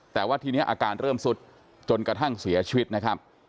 แต่ว่าทีนี้อาการเริ่มสุดจนกระทั่งเสียชีวิตนะครับ